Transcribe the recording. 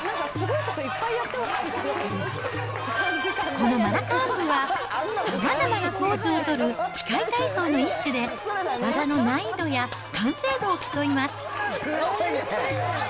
このマラカーンブは、さまざまなポーズを取る器械体操の一種で、技の難易度や完成度を競います。